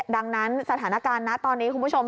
ดังนั้นสถานการณ์นะตอนนี้คุณผู้ชม